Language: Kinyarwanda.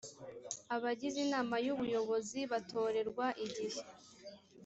abagize inama y ubuyobozi batorerwa igihe